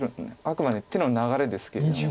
あくまでも手の流れですけれども。